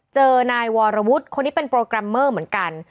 เจอนายวรวุฒิคนนี้เป็นโปรแกรมเมอร์เหมือนกัน